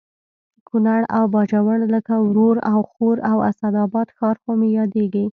کونړ او باجوړ لکه ورور او خور او اسداباد ښار خو مې یادېږي